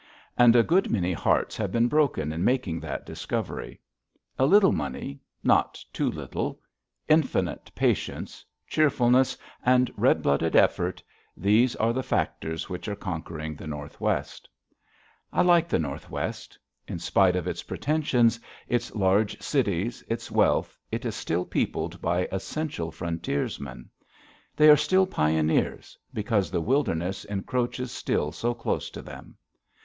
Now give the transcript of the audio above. And a good many hearts have been broken in making that discovery. A little money not too little infinite patience, cheerfulness, and red blooded effort these are the factors which are conquering the Northwest. I like the Northwest. In spite of its pretensions, its large cities, its wealth, it is still peopled by essential frontiersmen. They are still pioneers because the wilderness encroaches still so close to them.